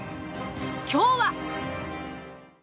今日は。